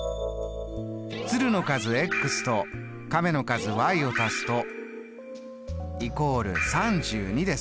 鶴の数と亀の数を足すと＝３２です。